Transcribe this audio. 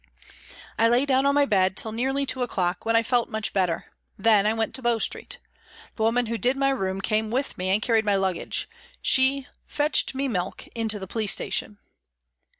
I lay down on my bed till nearly 2 o'clock, when I felt much better. Then I went to Bow Street. The woman who did my room came with me and carried my luggage ; she also fetched me milk into the police station.